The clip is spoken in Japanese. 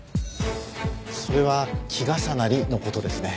それは「季重なり」の事ですね。